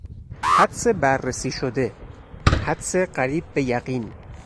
حدس بررسی شده، حدس قریب به یقین